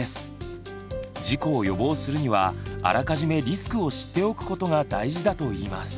事故を予防するにはあらかじめリスクを知っておくことが大事だといいます。